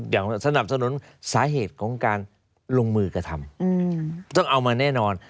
สนับสนุนสาเหตุของการลงมือกระทำต้องเอามาแน่นอน